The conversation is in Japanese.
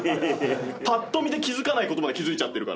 ぱっと見で気付かないことまで気付いちゃってるから。